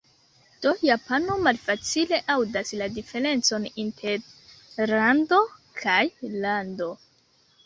Do japano malfacile aŭdas la diferencon inter "rando" kaj "lando".